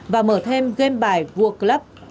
và mở thêm game bài vua club